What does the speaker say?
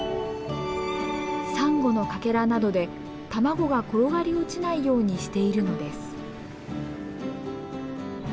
サンゴのかけらなどで卵が転がり落ちないようにしているのです。